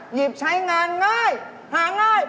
หยิบใช้งานง่ายหาง่าย